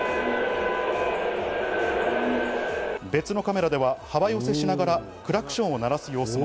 別のカメラでは幅寄せしながらクラクションを鳴らす様子も。